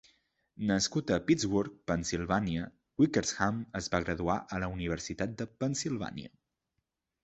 Nascut a Pittsburgh, Pennsilvània, Wickersham es va graduar a la Universitat de Pennsilvània.